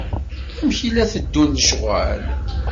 Amek i la teddun lecɣal.